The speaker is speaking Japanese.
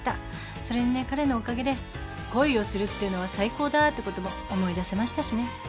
それにね彼のおかげで恋をするっていうのは最高だってことも思い出せましたしね。